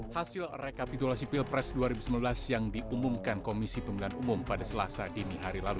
hasil rekapitulasi pilpres dua ribu sembilan belas yang diumumkan komisi pemilihan umum pada selasa dini hari lalu